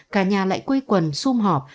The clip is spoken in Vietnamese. cả nhà lại quây quần xung họp